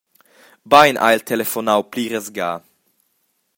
Bein ha el telefonau pliras ga.